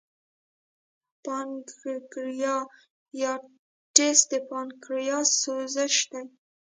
د پانکریاتایټس د پانکریاس سوزش دی.